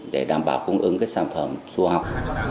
để đảm bảo cung ứng sản phẩm du học